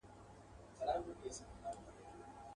پلونو د تڼاکو مي بیابان راسره وژړل.